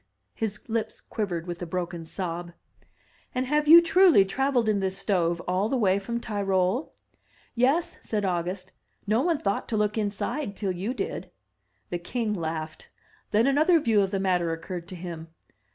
'* His lips quivered with a broken sob. "And have you truly traveled in this stove all the way from Tyrol?" "Yes," said August, "no one thought to look inside till you did." The king laughed; then another view of the matter occurred to him.